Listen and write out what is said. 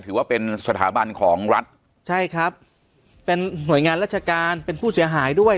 ถือว่าเป็นสถาบันของรัฐใช่ครับเป็นหน่วยงานราชการเป็นผู้เสียหายด้วย